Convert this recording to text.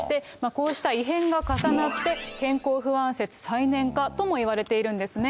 こうした異変が重なって、健康不安説再燃かともいわれているんですね。